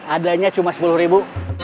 adanya cuma sepuluh ribu